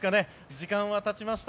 時間はたちました。